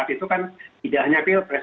itu kan tidak hanya pilpres